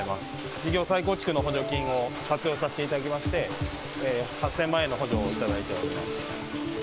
事業再構築の補助金を活用させていただきまして、８０００万円の補助を頂いております。